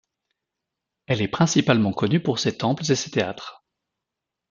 Elle est principalement connue par ses temples et ses théâtres.